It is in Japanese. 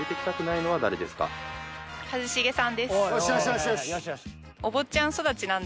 よしよしよしよし。